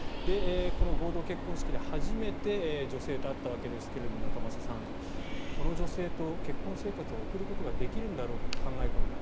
この合同結婚式で初めて女性と会ったわけですが仲正さん、この女性と結婚生活を送ることができるんだろうかと考え込んだ。